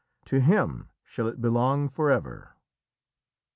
To him shall it belong forever."